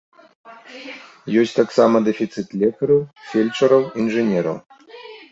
Ёсць таксама дэфіцыт лекараў, фельчараў, інжынераў.